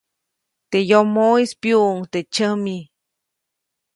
Teʼ yomoʼis pyuʼu teʼ tsyami.